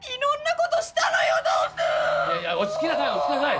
いやいや落ち着きなさい！